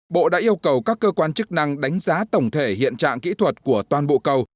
bộ đã yêu cầu các cơ quan chức năng đánh giá tổng thể hiện trạng kỹ thuật của toàn bộ cầu